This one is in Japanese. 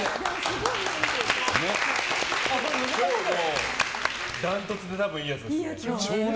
今日ダントツでいいやつですよ。